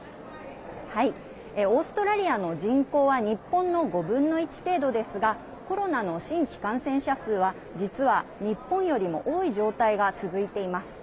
オーストラリアの人口は日本の５分の１程度ですがコロナの新規感染者数は実は日本よりも多い状態が続いています。